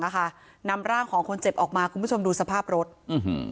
นำร่างของคนเจ็บออกมาคุณผู้ชมดูสภาพรถอื้อหือ